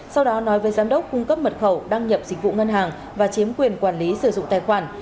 sau đó nói với giám đốc cung cấp mật khẩu đăng nhập dịch vụ ngân hàng và chiếm quyền quản lý sử dụng tài khoản